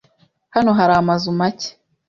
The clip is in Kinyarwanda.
Hano hari amazu make.